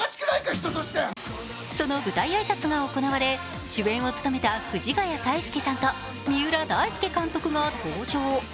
その舞台挨拶が行われ主演を務めた藤ヶ谷太輔さんと三浦大輔監督が登場。